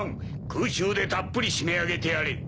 空中でたっぷりしめあげてやれ。